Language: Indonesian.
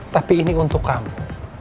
tapi ini untuk kamu